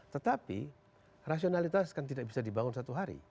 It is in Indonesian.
tetapi rasionalitas kan tidak bisa dibangun satu hari